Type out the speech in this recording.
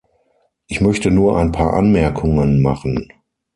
Ich möchte nur ein paar Anmerkungen machen.